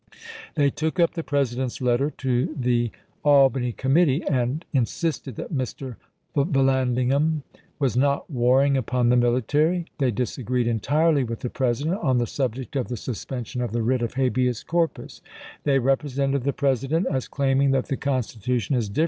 They took up the President's letter to the Albany committee, and insisted that Mr. Vallandigham was not warring upon the military; they disagreed entirely with the President on the subject of the suspension of the writ of habeas corpus ; they represented the President as claiming that the Constitution is dif 352 ABRAHAM LINCOLN chap. xii.